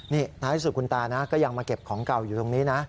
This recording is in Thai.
นี่ท้ายที่สุดคุณตานะก็ยังมาเก็บของเก่าอยู่ตรงนี้นะ